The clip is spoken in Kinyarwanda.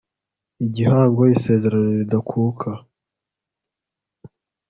igihango isezerano ridakuka